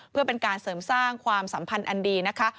เพื่อเป็นการเสริมสร้างความสัมพันธ์อันดีนะคะ